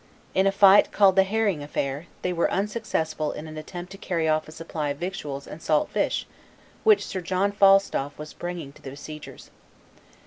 In a fight called the Herring affair, they were unsuccessful in an attempt to carry off a supply of victuals and salt fish which Sir John Falstolf was bringing to the besiegers.